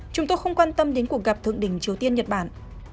chúng tôi không quan tâm đến cuộc gặp thượng đỉnh triều tiên nhật bản